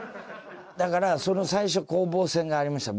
だから最初攻防戦がありました。